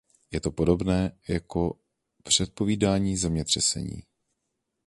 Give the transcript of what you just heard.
Je to podobné jako předpovídání zemětřesení.